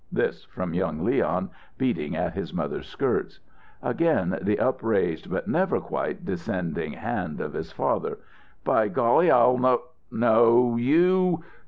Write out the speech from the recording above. This from young Leon, beating at his mother's skirts. Again the upraised but never quite descending hand of his father. "By golly, I'll 'no no' you!"